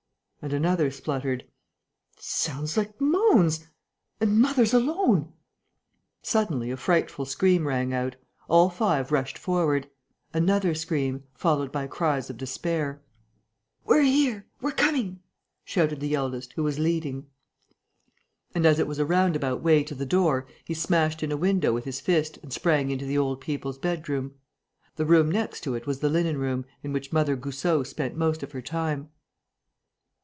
And another spluttered: "Sounds like moans.... And mother's alone!" Suddenly, a frightful scream rang out. All five rushed forward. Another scream, followed by cries of despair. "We're here! We're coming!" shouted the eldest, who was leading. And, as it was a roundabout way to the door, he smashed in a window with his fist and sprang into the old people's bedroom. The room next to it was the linen room, in which Mother Goussot spent most of her time.